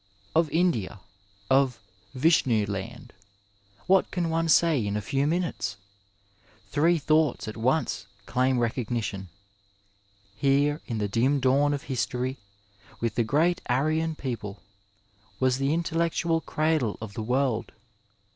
Of India, of '^ Vishnu land," what can one say in a few minutes 1 Three thou^ts at once daim recognition. Here in the dim dawn of history, with the great Aryan people, was the intellectual cradle of the world.